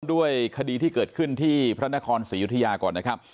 ด้วยคดีที่เกิดขึ้นที่พระนครศรียุธยาก่อนนะครับ